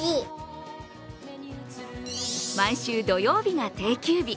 毎週土曜日が定休日。